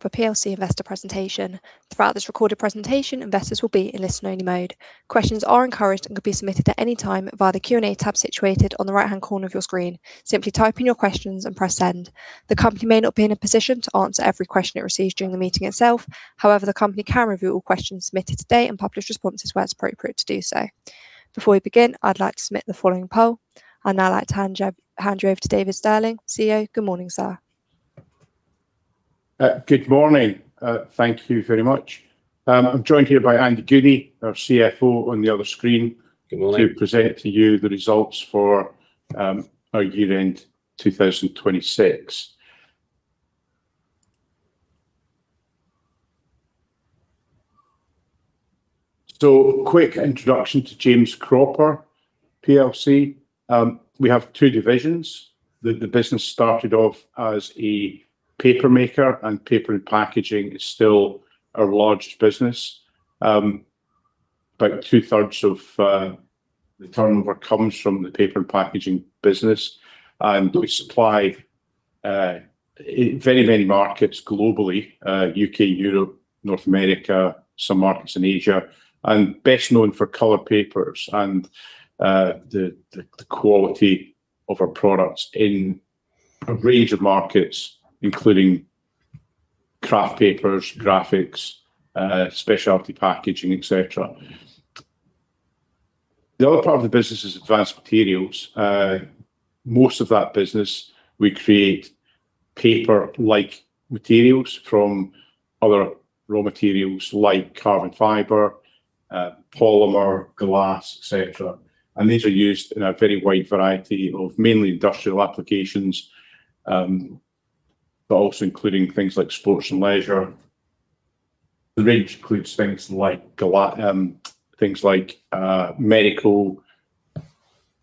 For PLC investor presentation. Throughout this recorded presentation, investors will be in listen only mode. Questions are encouraged and can be submitted at any time via the Q&A tab situated on the right-hand corner of your screen. Simply type in your questions and press send. The company may not be in a position to answer every question it receives during the meeting itself. However, the company can review all questions submitted today and publish responses where it's appropriate to do so. Before we begin, I'd like to submit the following poll. I'd now like to hand you over to David Stirling, CEO. Good morning, sir. Good morning. Thank you very much. I'm joined here by Andrew Goody, our CFO, on the other screen. Good morning to present to you the results for our year-end 2026. Quick introduction to James Cropper PLC. We have two divisions. The business started off as a paper maker, and paper and packaging is still our largest business. About two-thirds of the turnover comes from the paper and packaging business. We supply very many markets globally, U.K., Europe, North America, some markets in Asia. Best known for color papers and the quality of our products in a range of markets, including craft papers, graphics, specialty packaging, et cetera. The other part of the business is advanced materials. Most of that business, we create paper-like materials from other raw materials like carbon fiber, polymer, glass, et cetera, and these are used in a very wide variety of mainly industrial applications, but also including things like sports and leisure. The range includes things like medical,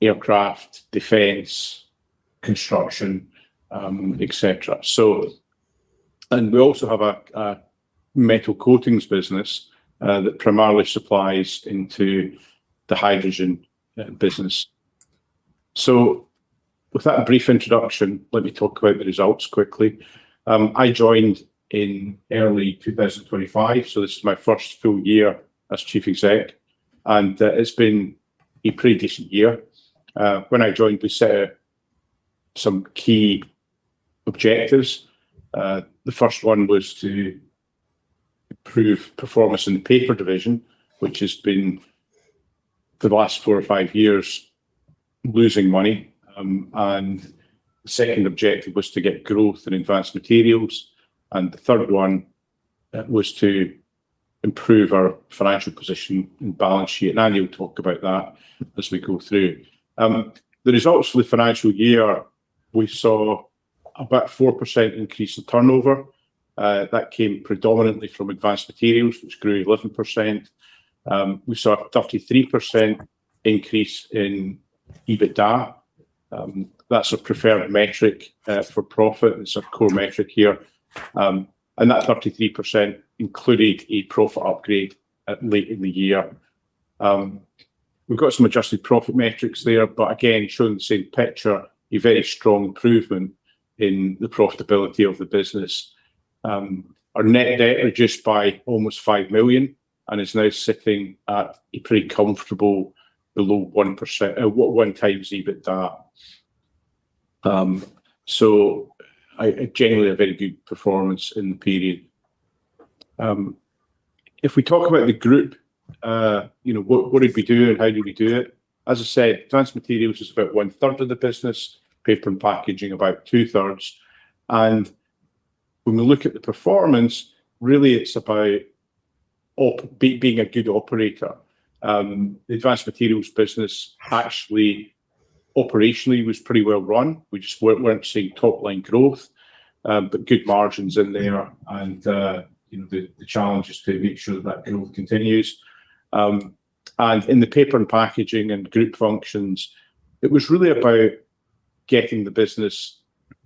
aircraft, defense, construction, et cetera. We also have a metal coatings business that primarily supplies into the Hydrogen business. With that brief introduction, let me talk about the results quickly. I joined in early 2025, so this is my first full year as Chief Exec, and it's been a pretty decent year. When I joined, we set some key objectives. The first one was to improve performance in the paper division, which has been, for the last four or five years, losing money. The second objective was to get growth in advanced materials, and the third one was to improve our financial position and balance sheet. Andy will talk about that as we go through. The results for the financial year, we saw about 4% increase in turnover. That came predominantly from advanced materials, which grew 11%. We saw a 33% increase in EBITDA. That's our preferred metric for profit. It's our core metric here. That 33% included a profit upgrade late in the year. We've got some adjusted profit metrics there, but again, showing the same picture, a very strong improvement in the profitability of the business. Our net debt reduced by almost 5 million and is now sitting at a pretty comfortable below one times EBITDA. Generally a very good performance in the period. If we talk about the group, what did we do and how did we do it? As I said, advanced materials is about one-third of the business, paper and packaging about two-thirds. When we look at the performance, really it's about being a good operator. The advanced materials business actually, operationally, was pretty well run. We just weren't seeing top-line growth, but good margins in there and the challenge is to make sure that growth continues. In the paper and packaging and group functions, it was really about getting the business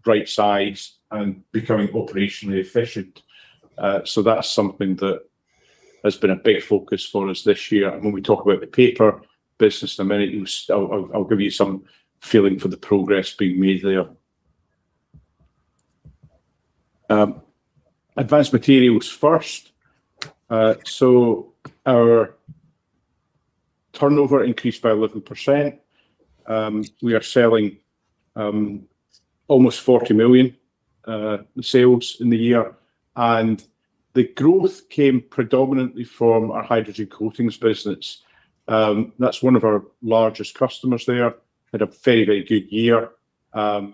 right-size and becoming operationally efficient. That's something that has been a big focus for us this year. When we talk about the paper business in a minute, I'll give you some feeling for the progress being made there. Advanced materials first. Our turnover increased by 11%. We are selling almost 40 million sales in the year. The growth came predominantly from our Hydrogen Coatings business. That's one of our largest customers there. Had a very good year. The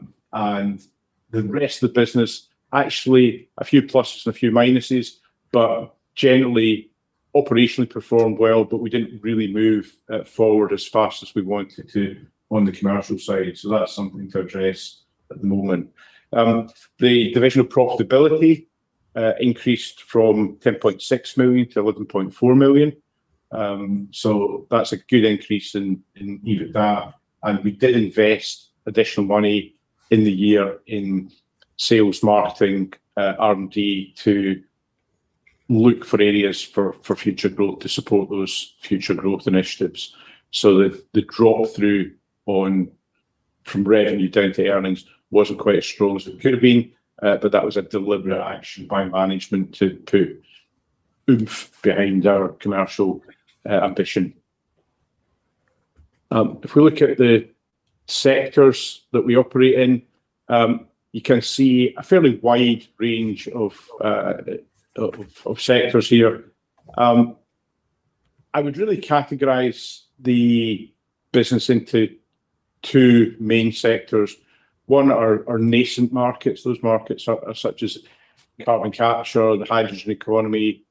rest of the business, actually a few pluses and a few minuses, but generally, operationally performed well, but we didn't really move forward as fast as we wanted to on the commercial side. That's something to address at the moment. The divisional profitability increased from 10.6 million to 11.4 million. That's a good increase in EBITDA, and we did invest additional money in the year in sales, marketing, R&D to look for areas for future growth to support those future growth initiatives. The drop-through from revenue down to earnings wasn't quite as strong as it could've been, but that was a deliberate action by management to put oomph behind our commercial ambition. If we look at the sectors that we operate in, you can see a fairly wide range of sectors here. I would really categorize the business into two main sectors. One are nascent markets. Those markets are such as carbon capture, the hydrogen economy,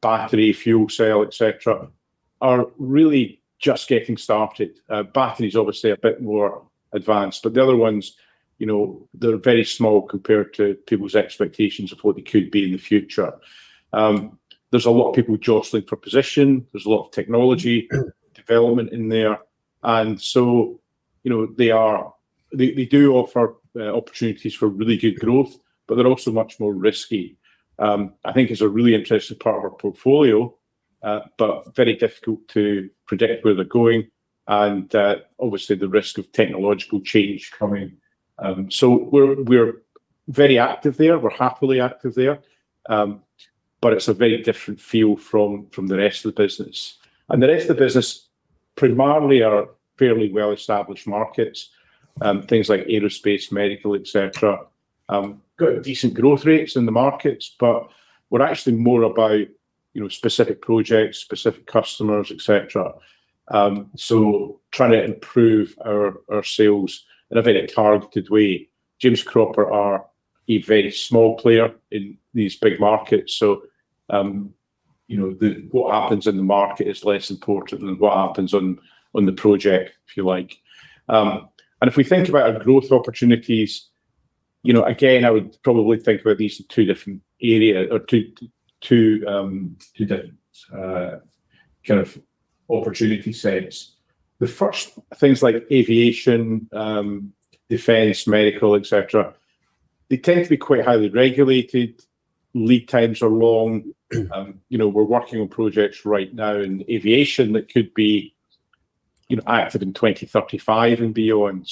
battery, fuel cell, et cetera, are really just getting started. Batteries obviously a bit more advanced, but the other ones, they are very small compared to people's expectations of what they could be in the future. There is a lot of people jostling for position. There is a lot of technology development in there, so they do offer opportunities for really good growth, but they are also much more risky. I think it is a really interesting part of our portfolio, but very difficult to predict where they are going and, obviously, the risk of technological change coming. We are very active there. We are happily active there, but it is a very different feel from the rest of the business. The rest of the business primarily are fairly well-established markets, things like aerospace, medical, et cetera. We have decent growth rates in the markets, but we are actually more about specific projects, specific customers, et cetera, so trying to improve our sales in a very targeted way. James Cropper are a very small player in these big markets, so what happens in the market is less important than what happens on the project, if you like. If we think about our growth opportunities, again, I would probably think about these in two different kind of opportunity sets. The first, things like aviation, defense, medical, et cetera, they tend to be quite highly regulated. Lead times are long. We are working on projects right now in aviation that could be active in 2035 and beyond.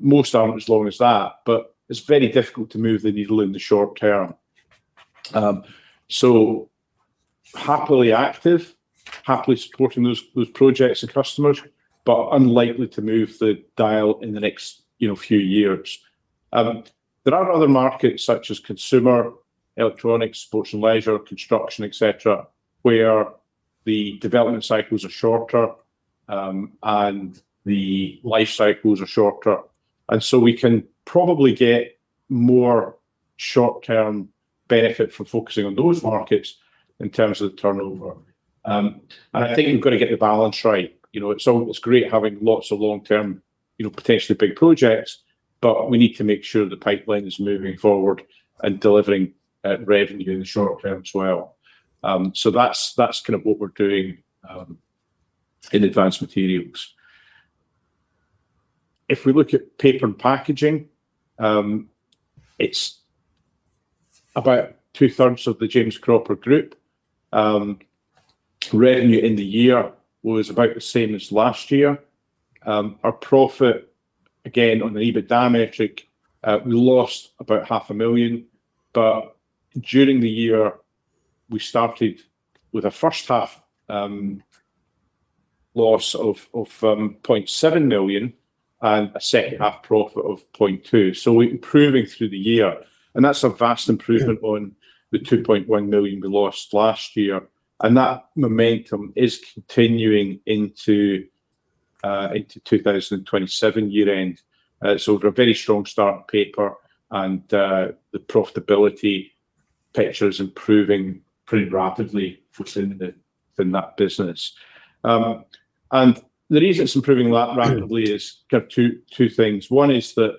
Most are not as long as that, but it is very difficult to move the needle in the short term. Happily active, happily supporting those projects and customers, but unlikely to move the dial in the next few years. There are other markets such as consumer, electronics, sports and leisure, construction, et cetera, where the development cycles are shorter, and the life cycles are shorter. We can probably get more short-term benefit from focusing on those markets in terms of the turnover. I think we have got to get the balance right. It is great having lots of long-term, potentially big projects, but we need to make sure the pipeline is moving forward and delivering revenue in the short term as well. That is kind of what we are doing in advanced materials. If we look at paper and packaging, it is about two-thirds of the James Cropper Group. Revenue in the year was about the same as last year. Our profit, again, on the EBITDA metric, we lost about 500,000. During the year, we started with a first-half loss of 0.7 million and a second-half profit of 0.2 million, so we are improving through the year, and that is a vast improvement on the 2.1 million we lost last year. That momentum is continuing into 2027 year-end. We have a very strong start in paper, and the profitability picture is improving pretty rapidly within that business. The reason it is improving that rapidly is kind of two things. One is that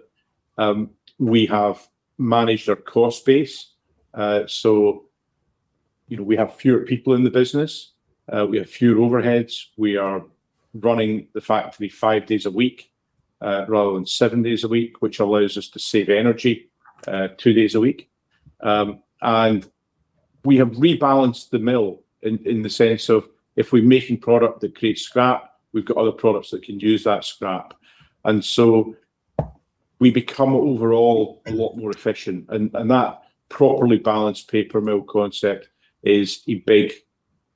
we have managed our cost base, so we have fewer people in the business. We have fewer overheads. We are running the factory five days a week, rather than seven days a week, which allows us to save energy two days a week. We have rebalanced the mill in the sense of if we are making product that creates scrap, we have got other products that can use that scrap. We become overall a lot more efficient, and that properly balanced paper mill concept is a big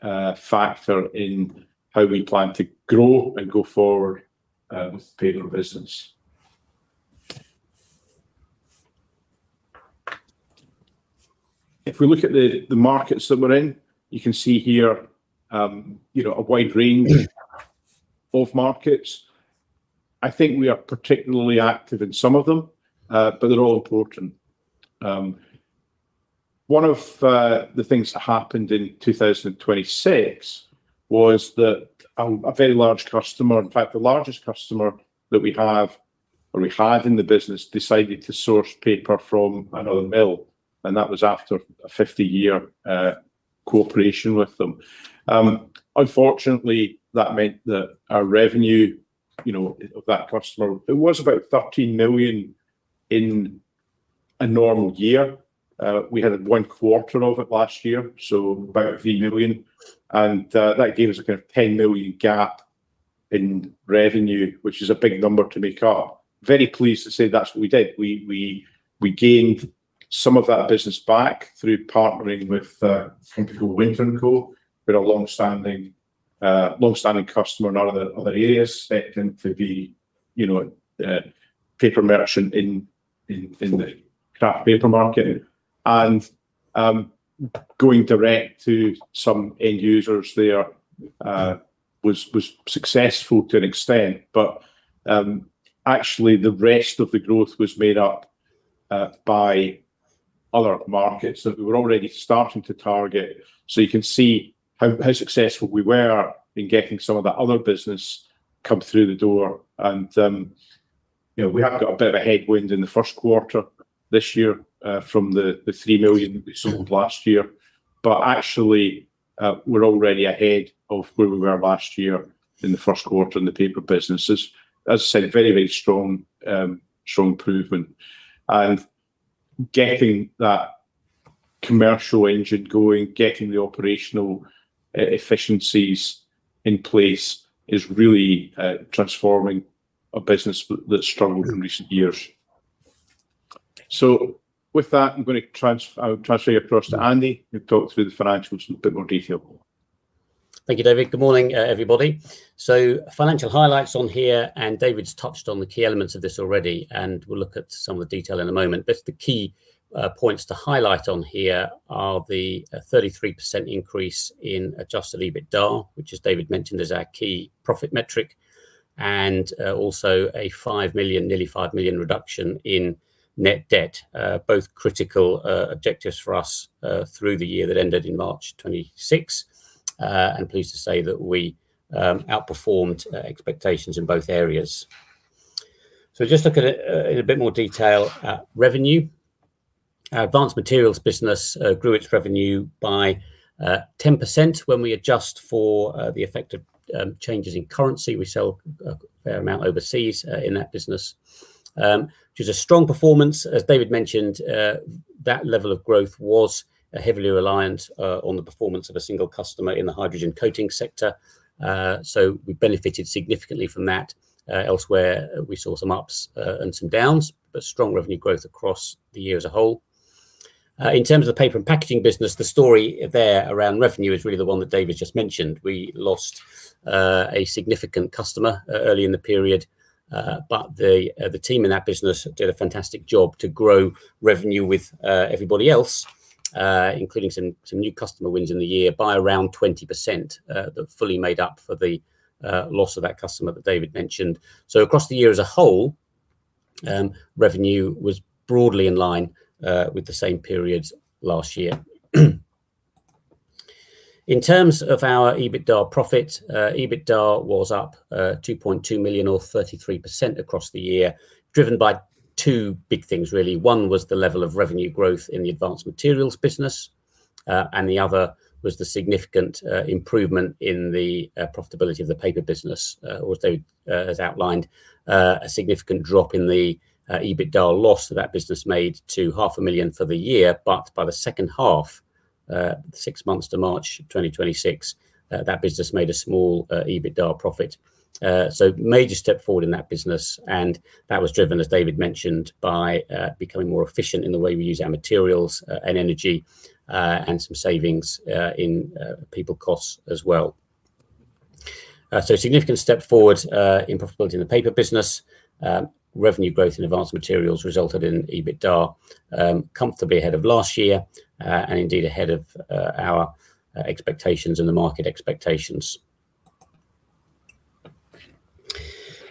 factor in how we plan to grow and go forward with the paper business. If we look at the markets that we are in, you can see here a wide range of markets. I think we are particularly active in some of them, but they are all important. One of the things that happened in 2026 was that a very large customer, in fact, the largest customer that we have, or we had in the business, decided to source paper from another mill, and that was after a 50-year cooperation with them. Unfortunately, that meant that our revenue of that customer, it was about 13 million in a normal year. We had one quarter of it last year, so about 3 million. That gave us a kind of 10 million gap in revenue, which is a big number to make up. Very pleased to say that is what we did. We gained some of that business back through partnering with a company called Winter & Company, who are a longstanding customer in other areas stepping to be a paper merchant in the craft paper market. Going direct to some end users there was successful to an extent. Actually, the rest of the growth was made up by other markets that we were already starting to target. You can see how successful we were in getting some of that other business come through the door. We have got a bit of a headwind in the first quarter this year, from the 3 million that we sold last year. Actually, we are already ahead of where we were last year in the first quarter in the paper business. As I said, very strong improvement. Getting that commercial engine going, getting the operational efficiencies in place is really transforming a business that has struggled in recent years. With that, I am going to transfer you across to Andy, who will talk through the financials in a bit more detail. Thank you, David. Good morning, everybody. Financial highlights on here, David has touched on the key elements of this already, we will look at some of the detail in a moment. The key points to highlight on here are the 33% increase in adjusted EBITDA, which as David mentioned, is our key profit metric, and also a nearly 5 million reduction in net debt. Both critical objectives for us through the year that ended in March 2026. Pleased to say that we outperformed expectations in both areas. Just look at it in a bit more detail. Revenue. Our advanced materials business grew its revenue by 10% when we adjust for the effect of changes in currency. We sell a fair amount overseas in that business, which was a strong performance. As David mentioned, that level of growth was heavily reliant on the performance of a single customer in the hydrogen coating sector. We benefited significantly from that. Elsewhere, we saw some ups and some downs, but strong revenue growth across the year as a whole. In terms of the paper and packaging business, the story there around revenue is really the one that David's just mentioned. We lost a significant customer early in the period. The team in that business did a fantastic job to grow revenue with everybody else, including some new customer wins in the year, by around 20%, that fully made up for the loss of that customer that David mentioned. Across the year as a whole, revenue was broadly in line with the same periods last year. In terms of our EBITDA profit, EBITDA was up 2.2 million or 33% across the year, driven by two big things really. One was the level of revenue growth in the advanced materials business, and the other was the significant improvement in the profitability of the paper business. Although, as outlined, a significant drop in the EBITDA loss that that business made to 0.5 million for the year. By the second half, the six months to March 2026, that business made a small EBITDA profit. Major step forward in that business. That was driven, as David mentioned, by becoming more efficient in the way we use our materials and energy, and some savings in people costs as well. A significant step forward in profitability in the paper business. Revenue growth in advanced materials resulted in EBITDA comfortably ahead of last year, and indeed ahead of our expectations and the market expectations.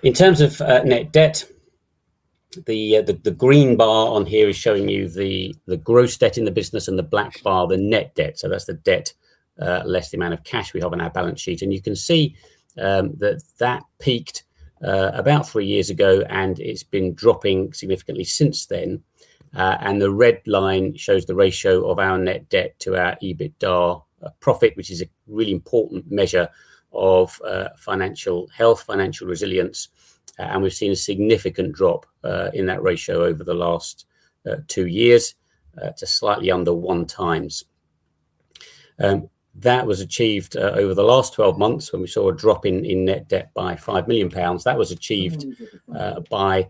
In terms of net debt, the green bar on here is showing you the gross debt in the business and the black bar, the net debt. That's the debt, less the amount of cash we have on our balance sheet. You can see that that peaked about three years ago, and it's been dropping significantly since then. The red line shows the ratio of our net debt to our EBITDA profit, which is a really important measure of financial health, financial resilience. We've seen a significant drop in that ratio over the last two years to slightly under one times. That was achieved over the last 12 months when we saw a drop in net debt by 5 million pounds. That was achieved by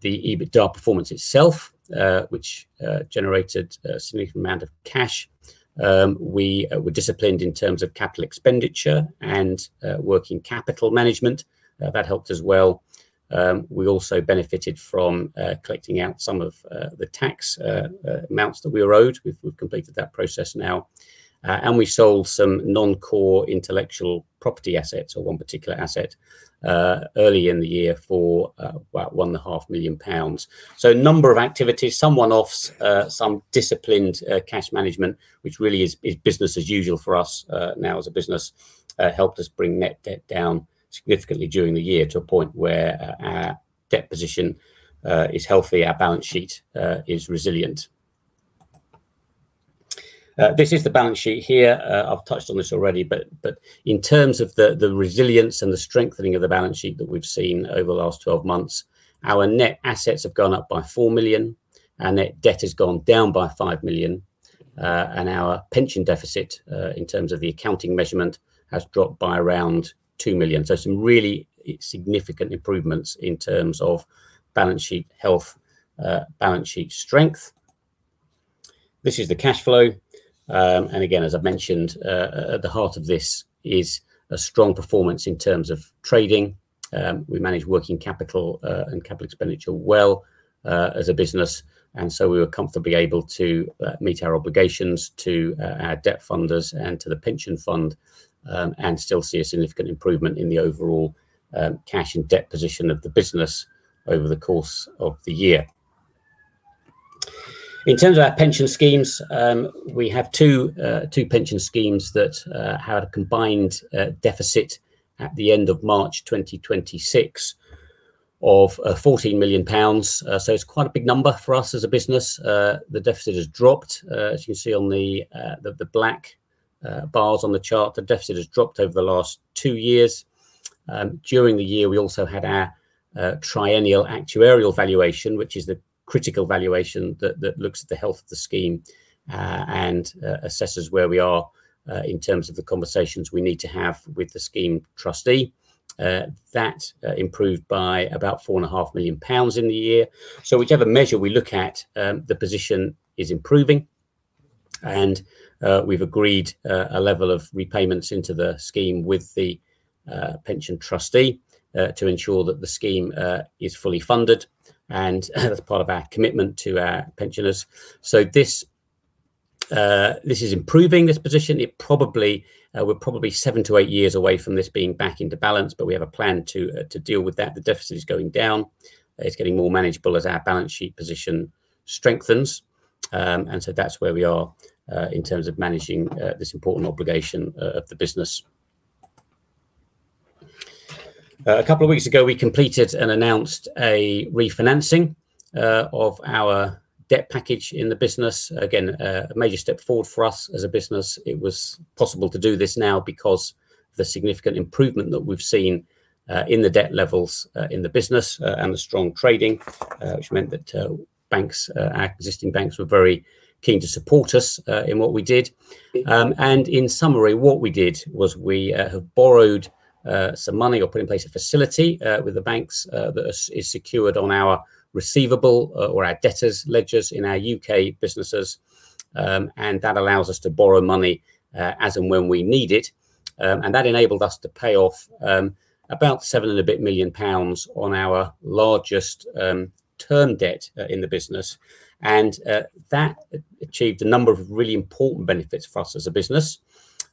the EBITDA performance itself, which generated a significant amount of cash. We were disciplined in terms of capital expenditure and working capital management. That helped as well. We also benefited from collecting out some of the tax amounts that we were owed. We've completed that process now. We sold some non-core intellectual property assets or one particular asset, early in the year for about 1.5 million pounds. A number of activities, some one-offs, some disciplined cash management, which really is business as usual for us now as a business, helped us bring net debt down significantly during the year to a point where our debt position is healthy. Our balance sheet is resilient. This is the balance sheet here. I've touched on this already, in terms of the resilience and the strengthening of the balance sheet that we've seen over the last 12 months, our net assets have gone up by 4 million. Our net debt has gone down by 5 million. Our pension deficit, in terms of the accounting measurement, has dropped by around 2 million. Some really significant improvements in terms of balance sheet health, balance sheet strength. This is the cash flow. Again, as I mentioned, at the heart of this is a strong performance in terms of trading. We manage working capital and capital expenditure well as a business, and so we were comfortably able to meet our obligations to our debt funders and to the pension fund, and still see a significant improvement in the overall cash and debt position of the business over the course of the year. In terms of our pension schemes, we have two pension schemes that had a combined deficit at the end of March 2026 of 14 million pounds. It's quite a big number for us as a business. The deficit has dropped. As you can see on the black bars on the chart, the deficit has dropped over the last two years. During the year, we also had our triennial actuarial valuation, which is the critical valuation that looks at the health of the scheme, and assesses where we are in terms of the conversations we need to have with the scheme trustee. That improved by about 4.5 million pounds in the year. Whichever measure we look at, the position is improving. We've agreed a level of repayments into the scheme with the pension trustee to ensure that the scheme is fully funded and as part of our commitment to our pensioners. This is improving, this position. We're probably seven to eight years away from this being back into balance, but we have a plan to deal with that. The deficit is going down. It's getting more manageable as our balance sheet position strengthens. That's where we are in terms of managing this important obligation of the business. A couple of weeks ago, we completed and announced a refinancing of our debt package in the business. Again, a major step forward for us as a business. It was possible to do this now because of the significant improvement that we've seen in the debt levels in the business and the strong trading, which meant that our existing banks were very keen to support us in what we did. In summary, what we did was we have borrowed some money or put in place a facility with the banks that is secured on our receivable or our debtors' ledgers in our U.K. businesses. That allows us to borrow money as and when we need it. That enabled us to pay off about GBP 7-and-a-bit million on our largest term debt in the business. That achieved a number of really important benefits for us as a business.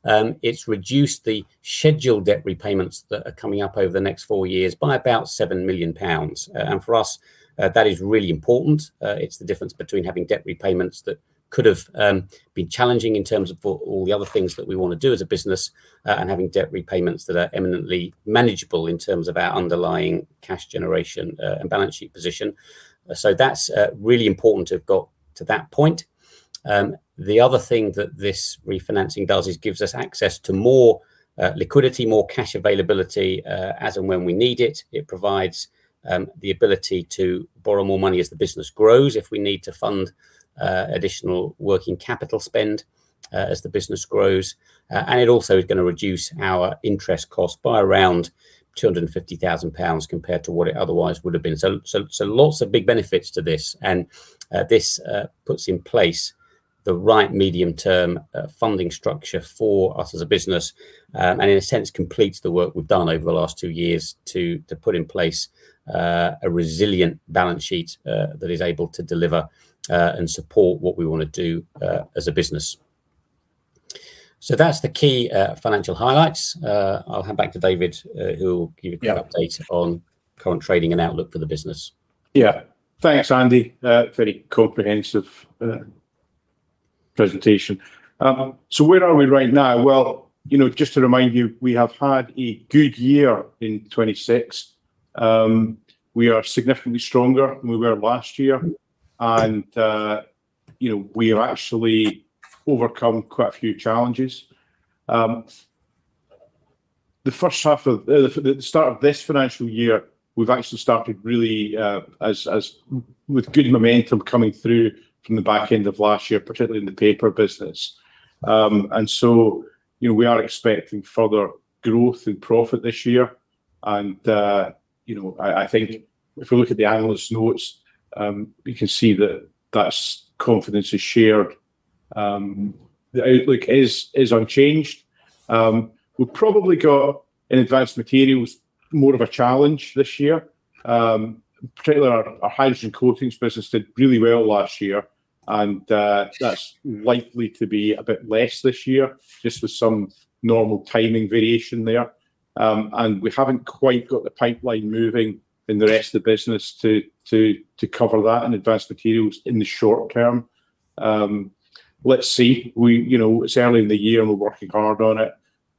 It's reduced the scheduled debt repayments that are coming up over the next four years by about 7 million pounds. For us, that is really important. It's the difference between having debt repayments that could have been challenging in terms of all the other things that we want to do as a business, and having debt repayments that are eminently manageable in terms of our underlying cash generation and balance sheet position. That's really important to have got to that point. The other thing that this refinancing does is gives us access to more liquidity, more cash availability as and when we need it. It provides the ability to borrow more money as the business grows if we need to fund additional working capital spend as the business grows. It also is going to reduce our interest cost by around 250,000 pounds compared to what it otherwise would have been. Lots of big benefits to this, and this puts in place the right medium-term funding structure for us as a business, and in a sense, completes the work we've done over the last two years to put in place a resilient balance sheet that is able to deliver and support what we want to do as a business. That's the key financial highlights. I'll hand back to David, who will give you an update on current trading and outlook for the business. Yeah. Thanks, Andy. Very comprehensive presentation. Where are we right now? Well, just to remind you, we have had a good year in 2026. We are significantly stronger than we were last year and we have actually overcome quite a few challenges. The start of this financial year, we've actually started really with good momentum coming through from the back end of last year, particularly in the paper business. We are expecting further growth and profit this year and I think if we look at the analyst notes, we can see that that confidence is shared. The outlook is unchanged. We've probably got, in advanced materials, more of a challenge this year. Particularly our Hydrogen Coatings business did really well last year, and that's likely to be a bit less this year, just with some normal timing variation there. We haven't quite got the pipeline moving in the rest of the business to cover that in advanced materials in the short term. Let's see. It's early in the year and we're working hard on it,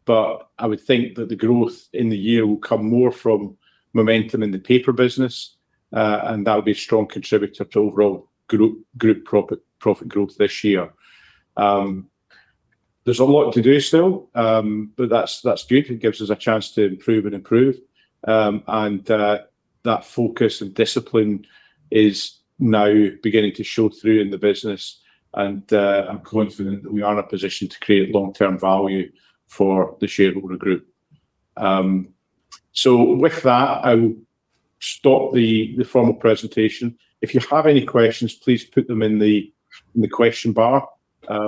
but I would think that the growth in the year will come more from momentum in the paper business, and that'll be a strong contributor to overall group profit growth this year. There's a lot to do still, but that's good. It gives us a chance to improve and improve. That focus and discipline is now beginning to show through in the business. I'm confident that we are in a position to create long-term value for the shareholder group. With that, I will stop the formal presentation. If you have any questions, please put them in the question bar.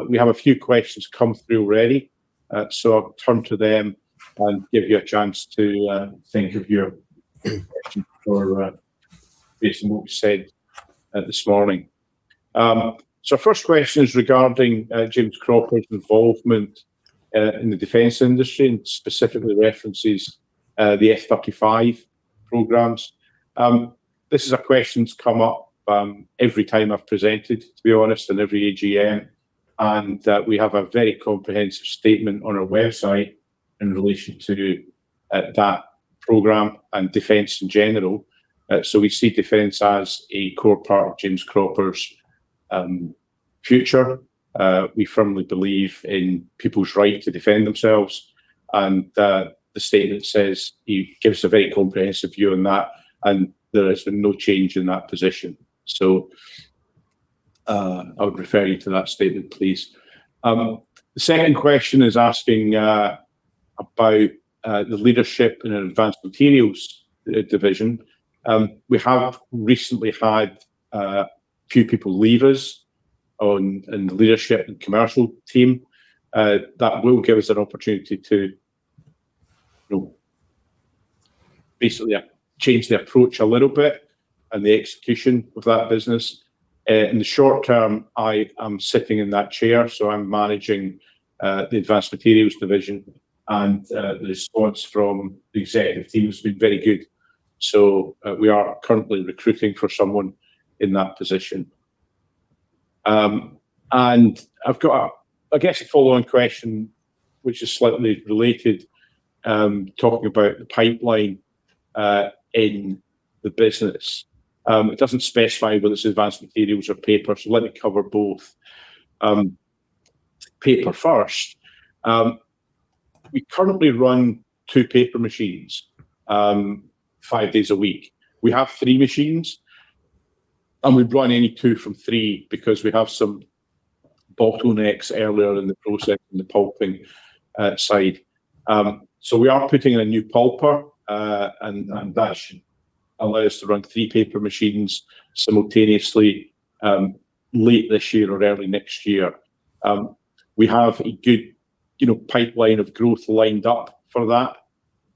We have a few questions come through already. I'll turn to them and give you a chance to think of your questions based on what we said this morning. First question is regarding James Cropper's involvement in the defense industry, and specifically references the F-35 programs. This is a question that's come up every time I've presented, to be honest, at every AGM, and we have a very comprehensive statement on our website in relation to that program and defense in general. We see defense as a core part of James Cropper's future. We firmly believe in people's right to defend themselves, and the statement says it gives a very comprehensive view on that, and there has been no change in that position. I would refer you to that statement, please. The second question is asking about the leadership in our Advanced Materials division. We have recently had a few people leave us in the leadership and commercial team. That will give us an opportunity to basically change the approach a little bit and the execution of that business. In the short term, I am sitting in that chair, I'm managing the Advanced Materials division. The response from the executive team has been very good. We are currently recruiting for someone in that position. I've got, I guess, a follow-on question, which is slightly related, talking about the pipeline in the business. It doesn't specify whether it's Advanced Materials or paper, let me cover both. Paper first. We currently run two paper machines five days a week. We have three machines, we run only two from three because we have some bottlenecks earlier in the process in the pulping side. We are putting in a new pulper, that should allow us to run three paper machines simultaneously late this year or early next year. We have a good pipeline of growth lined up for that.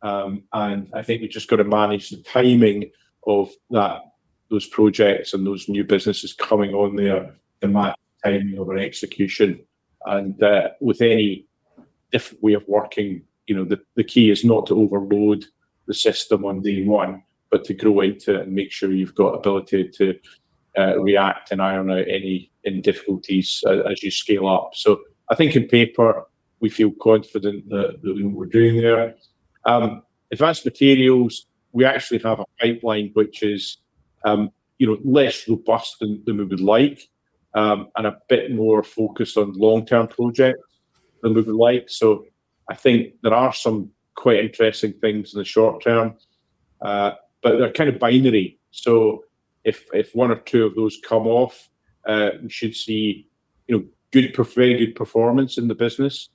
I think we've just got to manage the timing of those projects and those new businesses coming on there to match the timing of our execution. With any different way of working, the key is not to overload the system on day one, to grow into it and make sure you've got ability to react and iron out any difficulties as you scale up. I think in paper, we feel confident in what we're doing there. Advanced Materials, we actually have a pipeline which is less robust than we would like, and a bit more focused on long-term projects than we would like. I think there are some quite interesting things in the short term, but they're kind of binary. If one or two of those come off, we should see very good performance in the business.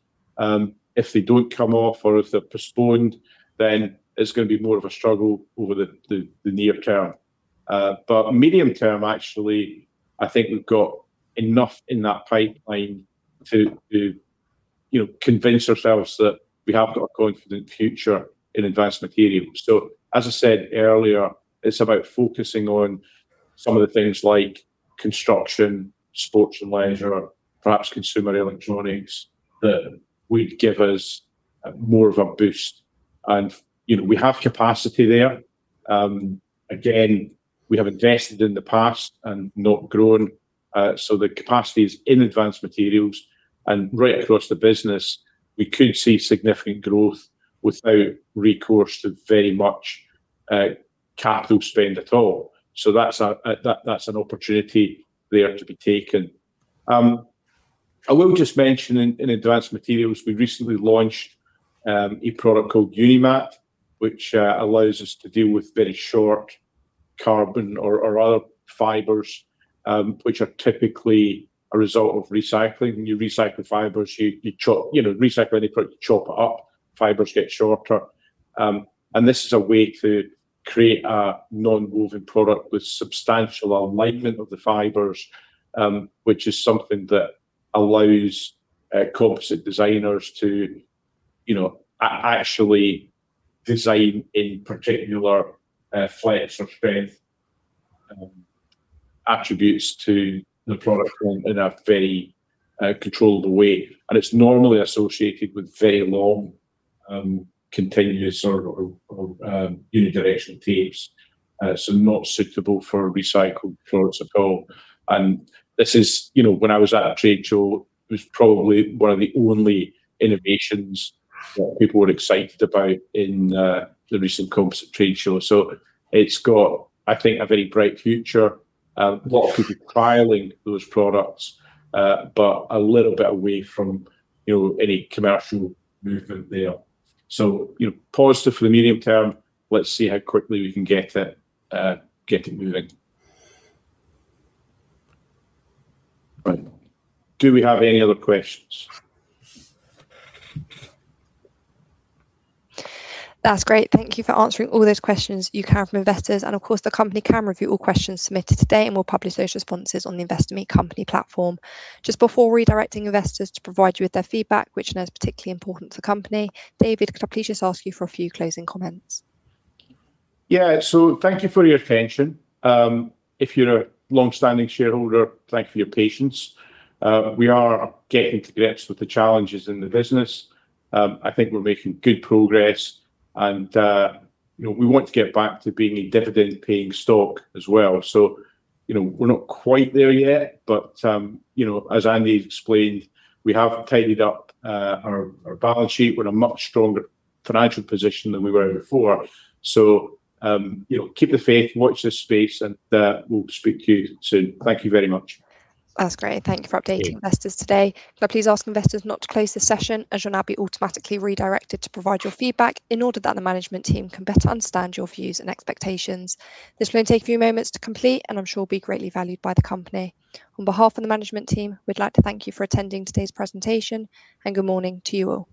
If they don't come off or if they're postponed, it's going to be more of a struggle over the near term. Medium term, actually, I think we've got enough in that pipeline to convince ourselves that we have got a confident future in Advanced Materials. As I said earlier, it's about focusing on some of the things like construction, sports and leisure, perhaps consumer electronics, that would give us more of a boost. We have capacity there. Again, we have invested in the past and not grown. The capacity is in Advanced Materials and right across the business. We could see significant growth without recourse to very much capital spend at all. That's an opportunity there to be taken. I will just mention in advanced materials, we recently launched a product called UNIMAT, which allows us to deal with very short carbon or other fibers, which are typically a result of recycling. When you recycle fibers, you chop it up, fibers get shorter. This is a way to create a nonwoven product with substantial alignment of the fibers, which is something that allows composite designers to actually design a particular flex or strength attributes to the product in a very controlled way. It's normally associated with very long Continuous or unidirectional tapes. Not suitable for recycled products at all. When I was at a trade show, it was probably one of the only innovations that people were excited about in the recent composite trade show. It's got, I think, a very bright future. A lot of people trialing those products, but a little bit away from any commercial movement there. Positive for the medium term. Let's see how quickly we can get it moving. Right. Do we have any other questions? That's great. Thank you for answering all those questions you have from investors. Of course, the company can review all questions submitted today, and we'll publish those responses on the Investor Meet Company platform. Just before redirecting investors to provide you with their feedback, which I know is particularly important to the company, David, could I please just ask you for a few closing comments? Yeah. Thank you for your attention. If you're a longstanding shareholder, thank you for your patience. We are getting to grips with the challenges in the business. I think we're making good progress and we want to get back to being a dividend-paying stock as well. We're not quite there yet, but as Andy explained, we have tidied up our balance sheet with a much stronger financial position than we were before. Keep the faith, watch this space, and we'll speak to you soon. Thank you very much. That's great. Thank you for updating investors today. Could I please ask investors not to close this session, as you'll now be automatically redirected to provide your feedback in order that the management team can better understand your views and expectations. This may take a few moments to complete, and I'm sure will be greatly valued by the company. On behalf of the management team, we'd like to thank you for attending today's presentation, and good morning to you all.